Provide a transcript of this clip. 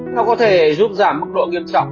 nó có thể giúp giảm mức độ nghiêm trọng